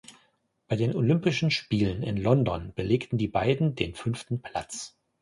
Bei den Olympischen Spielen in London belegten die beiden den fünften Platz.